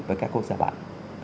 với các quốc gia bạn